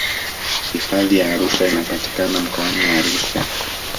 hifadhi ya arusha inapatikana mkoani arusha